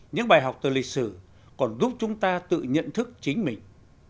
những bài học từ lịch sử còn giúp chúng ta tự nhận thức chính mình